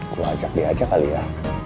gue ajak dia aja kali ya